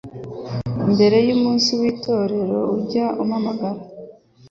mbere y umunsi w itora ujye umpamagara